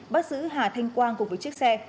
bắt giữ hà thanh quang cùng với chiếc xe